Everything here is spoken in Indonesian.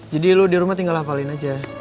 jadi lo di rumah tinggal hafalin aja